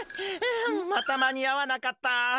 また間に合わなかった。